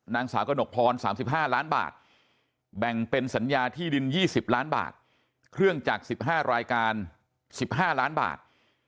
นางสาวกระหนกพร๓๕ล้านบาทแบ่งเป็นสัญญาที่ดิน๒๐ล้านบาทเครื่องจักร๑๕รายการ๑๕ล้านบาท